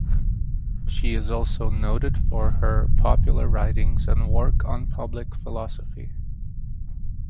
She is also noted for her popular writings and work on public philosophy.